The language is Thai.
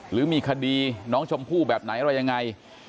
หรือมีคดีน้องชมพู่แบบไหนอะไรยังไง